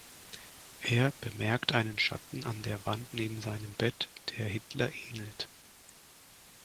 Er bemerkt einen Schatten an der Wand neben seinem Bett, der Hitler ähnelt.